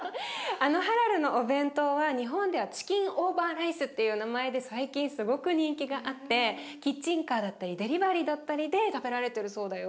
あのハラルのお弁当は日本ではチキンオーバーライスっていう名前で最近すごく人気があってキッチンカーだったりデリバリーだったりで食べられてるそうだよ。